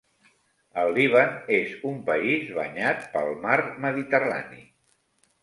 El Líban és un país banyat pel mar Mediterrani.